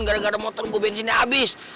gara gara motor gue bensinnya habis